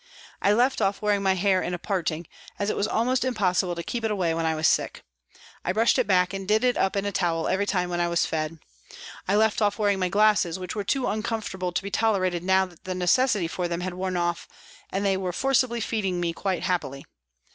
I left off wearing my hair in a parting, as it was almost impossible to keep it away when I was sick. I brushed it back and did it up in a towel every time when I was fed. I left off wearing my glasses, which were too uncomfortable to be tolerated now that the necessity for them had worn off and they were forcibly feeding me quite happily.